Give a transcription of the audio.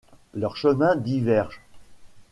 Leurs chemins divergent.